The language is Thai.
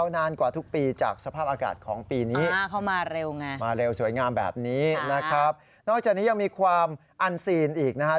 นอกจากนี้ยังมีความอันซีนอีกนะครับ